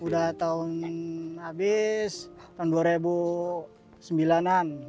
udah tahun habis tahun dua ribu sembilan an